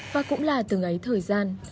và cũng là từng ấy thời gian